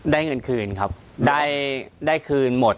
เงินคืนครับได้คืนหมด